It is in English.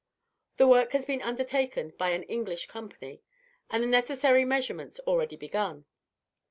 The work has been undertaken by an English company, and the necessary measurements already begun.